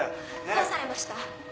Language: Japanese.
どうされました？